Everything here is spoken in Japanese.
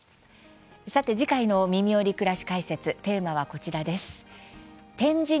さて次回の「みみより！くらし解説」テーマは、こちらです。